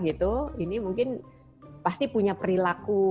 ini mungkin pasti punya perilaku